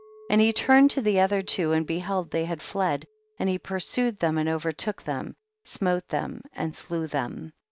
13. And he turned to the other two, and behold they had fled, and he pursued them, overtook them, smote them and slew them.